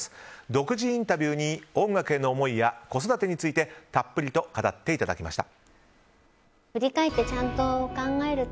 独自インタビューに音楽への思いや子育てについてたっぷりと語っていただきました。